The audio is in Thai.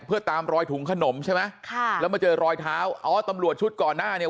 เพื่อตามรอยถุงขนมใช่ไหมค่ะแล้วมาเจอรอยเท้าอ๋อตำรวจชุดก่อนหน้าเนี่ย